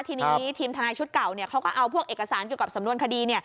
ทีนี้ทีมทนายชุดเก่าเขาก็เอาพวกเอกสารเกี่ยวกับสำนวนคดี